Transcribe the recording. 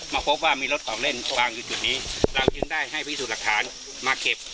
มาพบว่ามีรถของเล่นวางอยู่จุดนี้เราจึงได้ให้พิสูจน์หลักฐานมาเก็บ